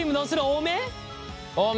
多め。